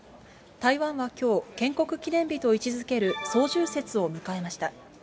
台湾はきょう、建国記念日と位置づける双十節を迎えました。